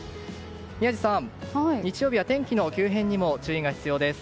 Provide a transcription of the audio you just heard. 宮司さん、日曜日は天気の急変にも注意が必要です。